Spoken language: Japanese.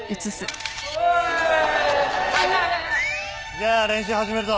じゃあ練習始めるぞ。